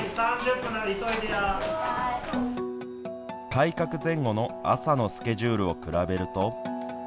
改革前後の朝のスケジュールを比べると。